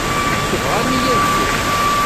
Tebɣam-iyi ad dduɣ?